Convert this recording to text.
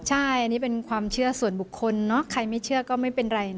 ใช่อันนี้เป็นความเชื่อส่วนบุคคลเนอะใครไม่เชื่อก็ไม่เป็นไรนะ